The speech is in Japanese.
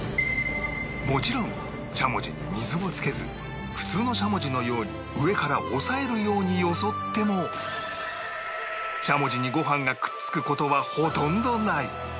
もちろんしゃもじに水をつけず普通のしゃもじのように上から押さえるようによそってもしゃもじにご飯がくっつく事はほとんどない！